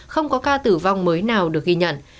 không có ca tử vong mới nào được ghi nhận